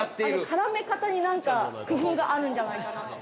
◆絡め方に何か工夫があるんじゃないかなと。